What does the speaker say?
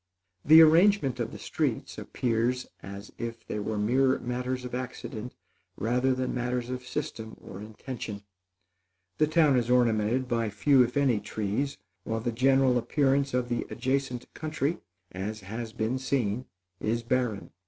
The arrangement of the streets appears as if they were mere matters of accident rather than matters of system or intention. The town is ornamented by few, if any, trees, while the general appearance of the adjacent country, as has been seen, is barren.